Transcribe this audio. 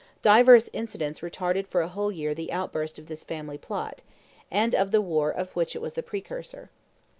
Divers incidents retarded for a whole year the outburst of this family plot, and of the war of which it was the precursor.